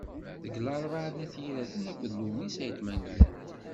Deg Larebɛa n At Yiraten, akked Lewnis Ayit Mengellat.